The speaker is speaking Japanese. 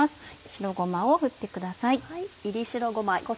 白ごまを振ってください。